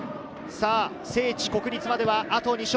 聖地・国立まではあと２勝。